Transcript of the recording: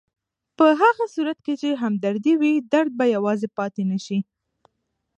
په هغه صورت کې چې همدردي وي، درد به یوازې پاتې نه شي.